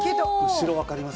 後ろわかります？